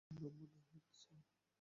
হাস্যকর নাম মনে হচ্ছে?